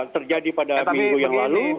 terjadi pada minggu yang lalu